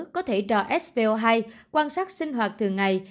có thể cho svo hai quan sát sinh hoạt thường ngày